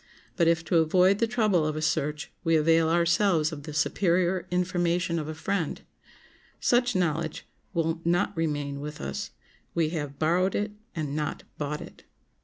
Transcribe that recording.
But if to avoid the trouble of a search we avail ourselves of the superior information of a friend, such knowledge will not remain with us; we have borrowed it and not bought it.